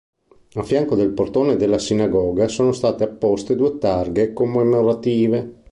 A fianco del portone della sinagoga, sono state apposte due targhe commemorative.